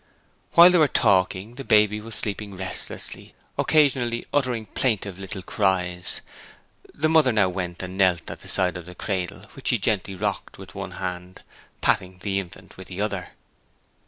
While they were talking the baby was sleeping restlessly, occasionally uttering plaintive little cries. The mother now went and knelt at the side of the cradle, which she gently rocked with one hand, patting the infant with the other.